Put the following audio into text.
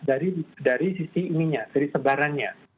dari sisi ininya dari sebarannya